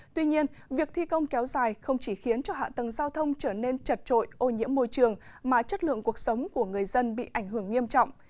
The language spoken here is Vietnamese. tuy nhiên việc thi công kéo dài không chỉ khiến cho hạ tầng giao thông trở nên chật trội ô nhiễm môi trường mà chất lượng cuộc sống của người dân bị ảnh hưởng nghiêm trọng